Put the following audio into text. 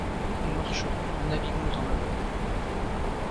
Nous marchons, nous naviguons en aveugles…